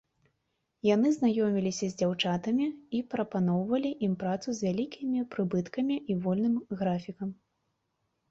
Яны знаёміліся з дзяўчатамі і прапаноўвалі ім працу з вялікімі прыбыткамі і вольным графікам.